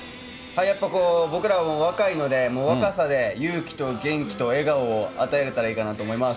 やっぱこう、僕らも若いので、もう若さで、勇気と元気と笑顔を与えれたらええかなと思います。